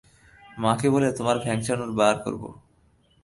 মাকে বলে তোমার ভ্যাংচানো বার করবো।